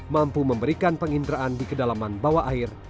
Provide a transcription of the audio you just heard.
mampu memberikan penginderaan di kedalaman bawah air